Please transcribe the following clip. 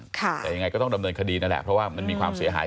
แต่ยังไงก็ต้องดำเนินคดีนั่นแหละเพราะว่ามันมีความเสียหาย